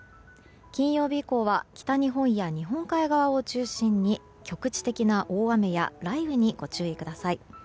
金曜日以降は北日本や日本海側を中心に局地的な大雨や雷雨にご注意ください。